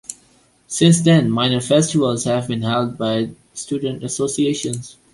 Since then minor festivals have been held by student associations.